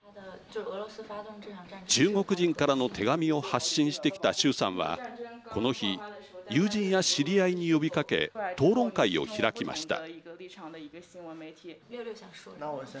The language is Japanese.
中国人からの手紙を発信してきた周さんはこの日友人や知り合いに呼びかけ討論会を開きました。